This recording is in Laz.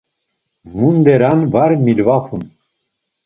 Munderan var milvapun.